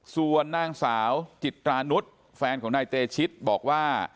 ส่วนนางสาวจิตรานุษย์แฟนของนายเตชิตบอกว่า